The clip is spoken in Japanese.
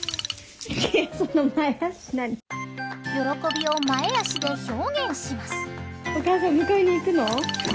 喜びを前脚で表現します。